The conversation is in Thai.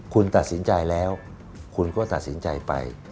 คุณตัดสินใจแล้วคุณก็ตัดสินใจไป